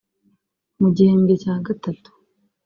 Mu gihembwe cya gatatu